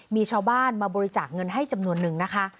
มีชาวบ้านมาบริจาคเงินให้จำนวนนึงนะคะ